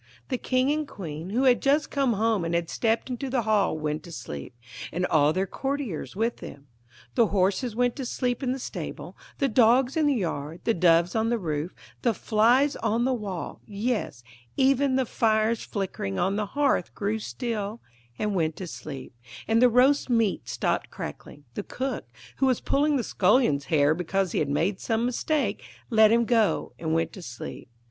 The King and Queen, who had just come home and had stepped into the hall, went to sleep, and all their courtiers with them. The horses went to sleep in the stable, the dogs in the yard, the doves on the roof, the flies on the wall; yes, even the fire flickering on the hearth grew still and went to sleep, and the roast meat stopped crackling; the cook, who was pulling the scullion's hair because he had made some mistake, let him go and went to sleep.